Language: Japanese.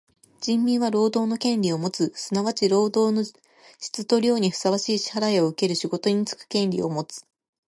人民は労働の権利をもつ。すなわち労働の質と量にふさわしい支払をうける仕事につく権利をもつ。